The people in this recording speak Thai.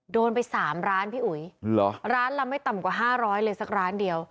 โดนไปสามร้านพี่อุ๋ยร้านละไม่ต่ำกว่า๕๐๐เลยสักร้านเดียว